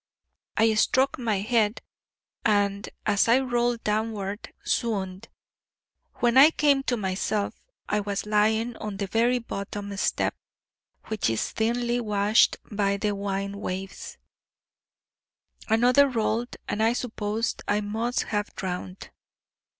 I struck my head, and, as I rolled downward, swooned. When I came to myself, I was lying on the very bottom step, which is thinly washed by the wine waves: another roll and I suppose I must have drowned.